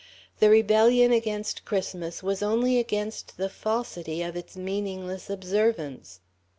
The rebellion against Christmas was against only the falsity of its meaningless observance.